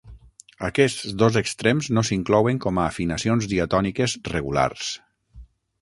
Aquests dos extrems no s'inclouen com a afinacions diatòniques regulars.